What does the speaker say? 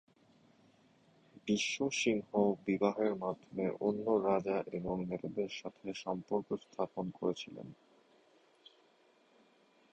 বিশ্ব সিংহ বিবাহের মাধ্যমে অন্য রাজা এবং নেতাদের সাথে সম্পর্ক স্থাপন করেছিলেন।